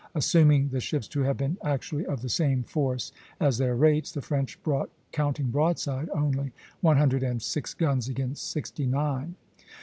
Assuming the ships to have been actually of the same force as their rates, the French brought, counting broadside only, one hundred and six guns against sixty nine.